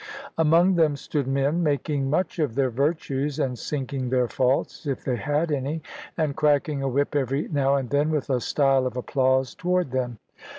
Among them stood men, making much of their virtues, and sinking their faults (if they had any), and cracking a whip every now and then, with a style of applause toward them.